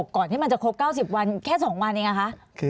ก่อนที่มันจะครบ๙๐วันแค่๒วันเองอะคะ